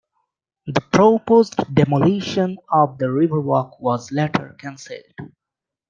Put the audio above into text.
The proposed demolition of the Riverwalk was later cancelled.